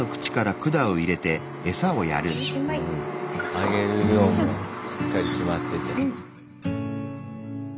あげる量もしっかり決まってて。